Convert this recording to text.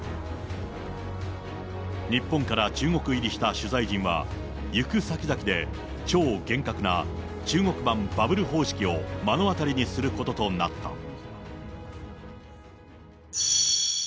日本から中国入りした取材陣は、行く先々で超厳格な中国版バブル方式を目の当たりにすることとなった。